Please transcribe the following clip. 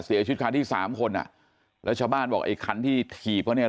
เสียชุดคาที่สามคนอ่ะรัชบาลบอกไอ้คันที่ขีบเขาเนี่ย